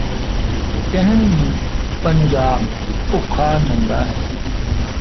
ਕਹਿਣ ਨੂੰ ਪੰਜਾਬ ਭੁੱਖਾ ਨੰਗਾ ਹੈ